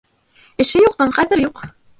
Эше юҡтың ҡәҙере юҡ